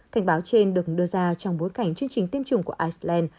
cảnh báo trên được đưa ra trong bối cảnh chương trình tiêm chủng của iceland